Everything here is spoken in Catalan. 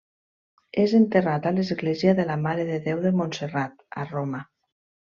És enterrat a l'Església de la Mare de Déu de Montserrat a Roma.